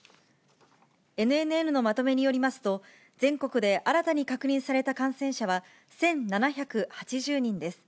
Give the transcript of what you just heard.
ＮＮＮのまとめによりますと、全国で新たに確認された感染者は１７８０人です。